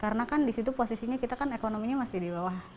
karena kan di situ posisinya kita kan ekonominya masih di bawah